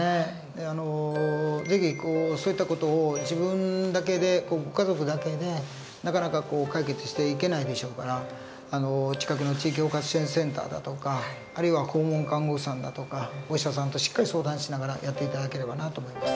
あの是非そういった事を自分だけでご家族だけでなかなか解決していけないでしょうから近くの地域包括支援センターだとかあるいは訪問看護師さんだとかお医者さんとしっかり相談しながらやって頂ければなと思います。